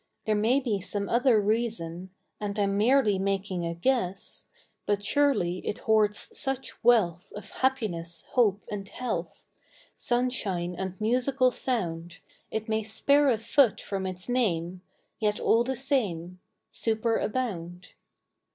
There may be some other reason, And I'm merely making a guess ; But surely it hoards such wealth Of happiness, hope and health. 174 FROM QUEENS' GARDENS . Sunshine and musical sound, It may spare a foot from its name, Yet all the same Superabound.